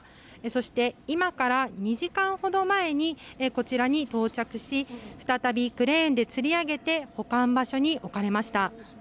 そして、今から２時間ほど前にこちらに到着し再びクレーンでつり上げて保管場所に置かれました。